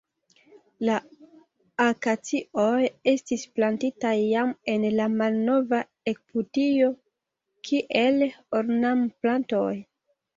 La akacioj estis plantitaj jam en la malnova Egiptio kiel ornamplantoj.